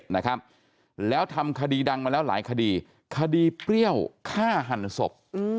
นะครับแล้วทำคดีดังมาแล้วหลายคดีคดีเปรี้ยวฆ่าหันศพ